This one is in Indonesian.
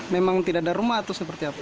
memang tidak ada rumah atau seperti apa